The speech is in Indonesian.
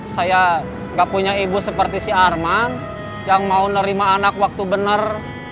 saya nggak punya ibu seperti si arman yang mau nerima anak waktu benar